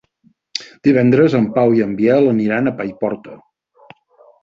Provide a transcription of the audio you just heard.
Divendres en Pau i en Biel aniran a Paiporta.